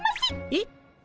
えっ？